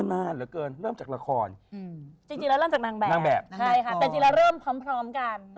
แต่จริงแล้วเริ่มพร้อมกัน